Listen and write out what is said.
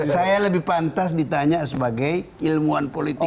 saya lebih pantas ditanya sebagai ilmuwan politik